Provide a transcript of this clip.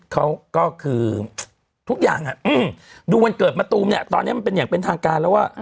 เขาก็คือทุกอย่างดูวันเกิดมะตูมเนี่ยตอนนี้มันเป็นอย่างเป็นทางการแล้วว่า